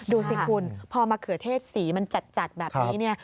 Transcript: ดูสิคุณพอมะเขือเทศสีมันจัดแบบนี้เนี่ย